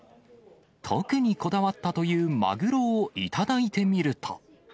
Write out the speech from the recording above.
特にこだわったというマグロを頂いてみると。